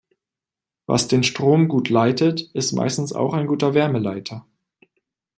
Was den Strom gut leitet, ist meistens auch ein guter Wärmeleiter.